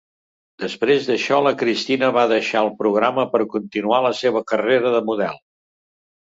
Després d'això, la Christina va deixar el programa per continuar la seva carrera de model.